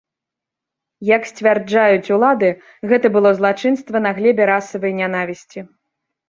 Як сцвярджаюць улады, гэта было злачынства на глебе расавай нянавісці.